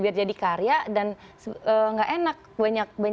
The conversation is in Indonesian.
apa yang tadi anda lakukan